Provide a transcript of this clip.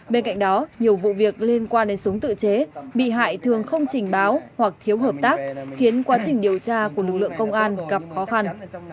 bên cạnh đó nhiều vụ việc liên quan đến súng tự chế bị hại thường không trình báo hoặc thiếu hợp tác khiến quá trình điều tra của lực lượng công an gặp khó khăn